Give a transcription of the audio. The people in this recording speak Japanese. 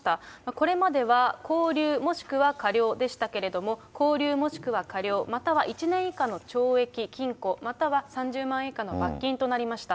これまでは拘留、もしくは科料でしたけれども、拘留もしくは科料、または１年以下の懲役・禁錮、または３０万円以下の罰金となりました。